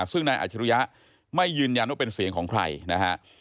ซึ่งนายอาชิริยะไม่ยืนยันว่าเป็นเสียงของใครนะฮะ